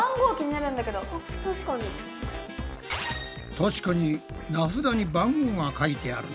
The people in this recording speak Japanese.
確かに名札に番号が書いてあるな。